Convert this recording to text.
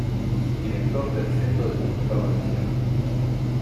Director del Centro de Cultura Valenciana.